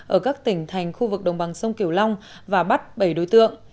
ở các tỉnh thành khu vực đồng bằng sông kiều long và bắt bảy đối tượng